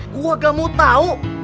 gue gak mau tau